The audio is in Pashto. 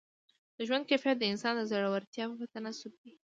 د ژوند کیفیت د انسان د زړورتیا په تناسب دی.